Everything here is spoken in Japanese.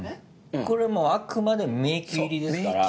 これはあくまで迷宮入りですから。